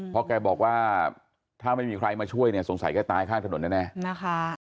เพราะแกบอกว่าถ้าไม่มีใครมาช่วยเนี่ยสงสัยแกตายข้างถนนแน่นะคะ